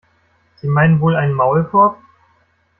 Sie meinen wohl einen Maulkorb?